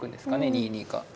２二か。